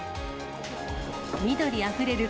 緑あふれる